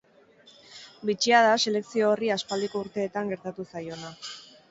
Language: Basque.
Bitxia da selekzio horri aspaldiko urteetan gertatu zaiona.